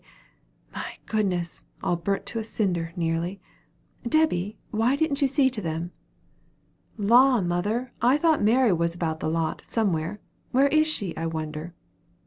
My goodness! all burnt to a cinder, nearly. Debby, why didn't you see to them?" "La, mother! I thought Mary was about the lot, somewhere. Where is she, I wonder?"